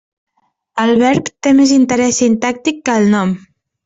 El verb té més interès sintàctic que el nom.